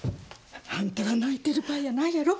あんたが泣いてる場合やないやろ。